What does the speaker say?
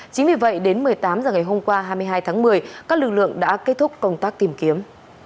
chính vì vậy đến một mươi tám h ngày hôm qua hai mươi hai tháng một mươi các lực lượng đã kết thúc công tác tìm kiếm